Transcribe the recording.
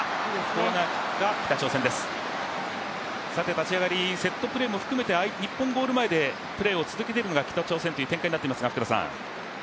立ち上がり、セットプレーも含めて日本ゴール前でプレーを続けている北朝鮮という展開になっていますが。